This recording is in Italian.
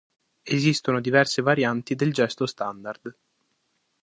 Esistono diverse varianti del gesto standard.